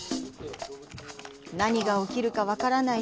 何が起きるか分からない